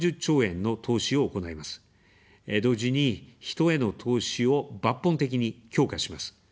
同時に、人への投資を抜本的に強化します。